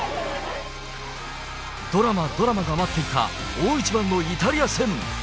ドラマ、ドラマが待っていた大一番のイタリア戦。